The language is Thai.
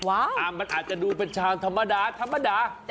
มันอาจจะดูเป็นชามธรรมดาธรรมดา